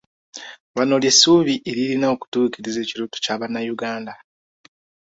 Bano ly'essuubi eririna okutuukiriza ekirooto kya bannayuganda.